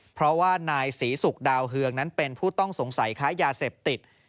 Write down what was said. เพราะว่านายศรีศุกร์ดาวเฮืองนั้นเป็นผู้ต้องสงสัยค้ายาเสพติด